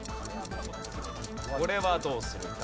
これはどうするか？